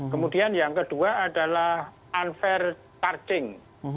kemudian yang kedua adalah unfair charging